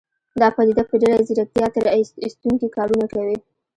دا پديده په ډېره ځيرکتيا تېر ايستونکي کارونه کوي.